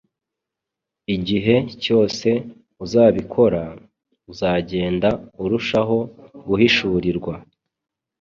Igihe cyose uzabikora, uzagenda urushaho guhishurirwa